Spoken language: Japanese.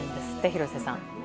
廣瀬さん。